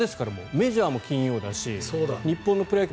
メジャーも金曜だし日本のプロ野球。